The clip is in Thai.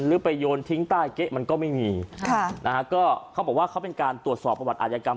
หรือไปโยนทิ้งใต้เก๊ะมันก็ไม่มีค่ะนะฮะก็เขาบอกว่าเขาเป็นการตรวจสอบประวัติอายกรรม